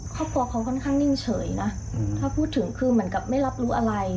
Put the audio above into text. ครอบครัวเขาค่อนข้างนิ่งเฉยนะถ้าพูดถึงคือเหมือนกับไม่รับรู้อะไร